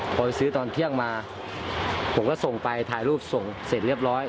พอไปซื้อตอนเที่ยงมาผมก็ส่งไปถ่ายรูปส่งเสร็จเรียบร้อย